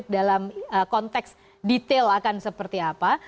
tapi kita harus mengetahui dalam konteks detail akan seperti apa